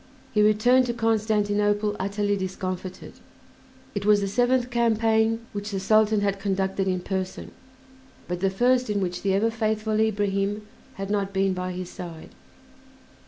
He returned to Constantinople utterly discomfited. It was the seventh campaign which the Sultan had conducted in person, but the first in which the ever faithful Ibrahim had not been by his side.